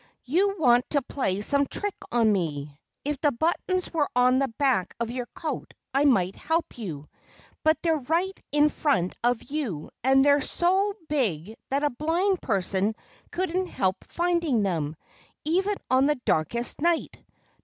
"You want to play some trick on me. If the buttons were on the back of your coat I might help you. But they're right in front of you; and they're so big that a blind person couldn't help finding them, even on the darkest night....